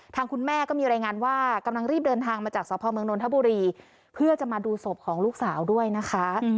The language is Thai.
ทางคุณแม่ก็มีรายงานว่ากำลังรีบเดินทางมาจากสพเมืองนทบุรีเพื่อจะมาดูศพของลูกสาวด้วยนะคะ